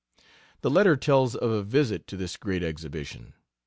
The letter tells of a visit to this great exhibition.